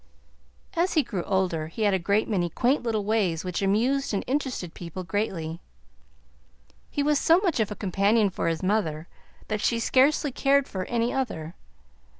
As he grew older, he had a great many quaint little ways which amused and interested people greatly. He was so much of a companion for his mother that she scarcely cared for any other.